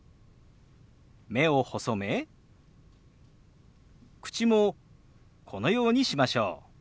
目を細め口もこのようにしましょう。